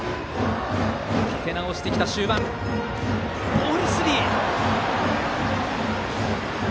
ボールスリー。